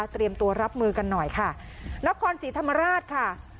เตรียมตัวรับมือกันหน่อยค่ะนครศรีธรรมราชค่ะ